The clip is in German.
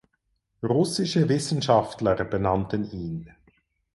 Russische Wissenschaftler benannten ihn.